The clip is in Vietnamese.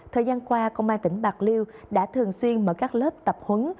thời gian qua công an tỉnh bạc liêu đã thường xuyên mở các lớp tập huấn